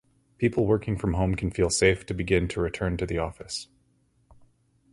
People working from home can feel safe to begin to return to the office.